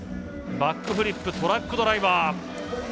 バックフリップトラックドライバー。